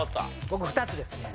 僕２つですね。